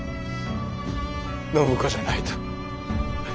暢子じゃないと駄目。